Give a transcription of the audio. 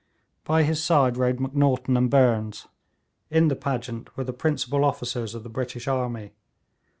By his side rode Macnaghten and Burnes; in the pageant were the principal officers of the British army.